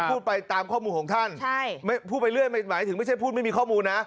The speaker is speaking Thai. พูดไปตามข้อมูลของท่านใช่พูดไปเรื่อยหมายถึงไม่ใช่พูดไม่มีข้อมูลนะ